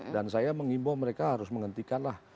dan saya mengimbau mereka harus menghentikan lah